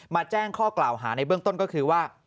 แจ้งข้อกล่าวหาในเบื้องต้นก็คือว่า